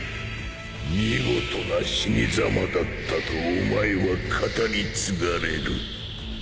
見事な死にざまだったとお前は語り継がれる